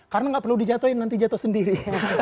karena nggak perlu di jatuhin nanti jatuh sendiri